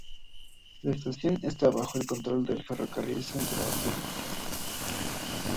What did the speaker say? La estación está bajo el control del Ferrocarril Centro-Atlântica.